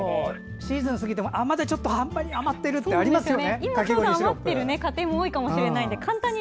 シーズン過ぎても、半端に余ってるってありますよね。